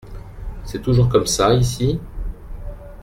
C’est toujours comme ça ici ?